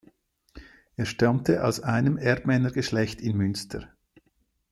Er stammte aus einem Erbmänner-Geschlecht in Münster.